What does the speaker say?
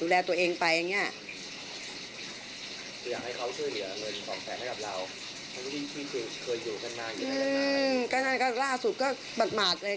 อืมข้างหน้าล่าสุดก็บัดหมาดเลย